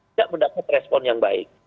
tidak mendapat respon yang baik